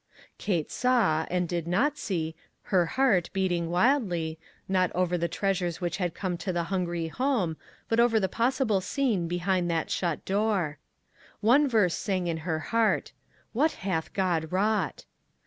Kate saw, and did not see, her heart beating wildly, not over the treasures which had come to the hungry home, but over the possible scene behind that shut door. One verse sang in her heart — "What hath God wrought!"